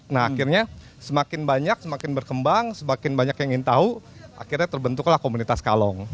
nah akhirnya semakin banyak semakin berkembang semakin banyak yang ingin tahu akhirnya terbentuklah komunitas kalong